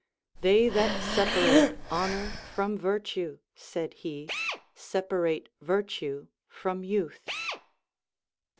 They that separate honor from virtue, said he, separate virtue from youth.